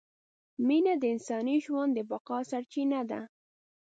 مینه د انساني ژوند د بقاء سرچینه ده!